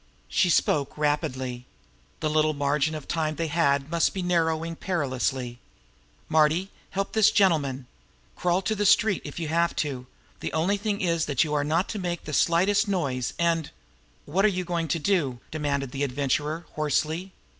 She spoke rapidly. The little margin of time they had must be narrowing perilously. "Marty, help this gentleman! Crawl to the street, if you have to. The only thing is that you are not to make the slightest noise, and " "What are you going to do?" demanded the Adventurer hoarsely.